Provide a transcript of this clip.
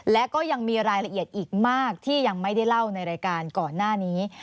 และก็ยังมีรายละเอียดอีกมากที่ยังไม่ได้เล่าในรายการก่อนหน้านี้